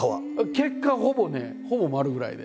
結果ほぼねほぼ丸くらいで。